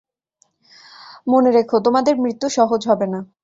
মনে রেখ, তোমাদের মৃত্যু সহজ হবে না।